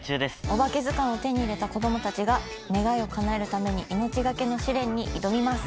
「おばけずかん」を手に入れた子供たちが願いを叶えるために命懸けの試練に挑みます。